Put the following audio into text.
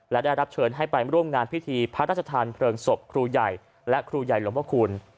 และได้รับเชิญให้ไปร่วมงานพิธีพระราชทานเพลิงศพครูใหญ่และครูใหญ่หลวงพระคุณ